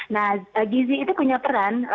nah gizi itu punya peran